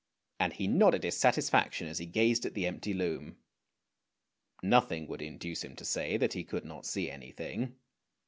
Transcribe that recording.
" and he nodded his satisfaction as he gazed at the empty loom. Nothing would induce him to say that he could not see anything.